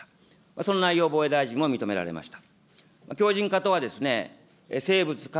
その内容、防衛大臣も認められました。